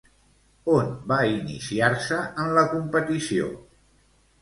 On va iniciar-se en la competició?